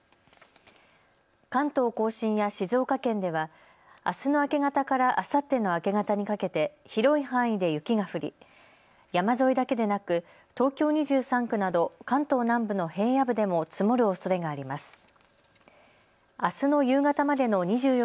関東甲信や静岡県ではあすの明け方からあさっての明け方にかけて広い範囲で雪が降り、山沿いだけでなく東京２３区など関東南部の平野部でも積もるおそれがあります。